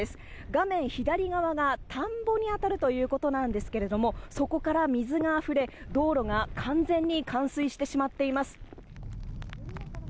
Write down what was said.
画面左側が田んぼに当たるということなんですけれども、そこから水があふれ、道路が完全に冠水してしまっています。